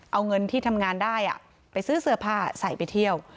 เอาเงินที่ทำงานได้ไปซื้อเสื้อผ้าใส่ไปเที่ยว